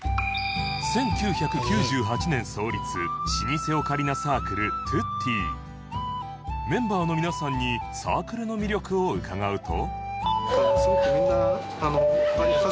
１９９８年創立老舗オカリナサークル ｔｕｔｔｉメンバーの皆さんにサークルの魅力を伺うと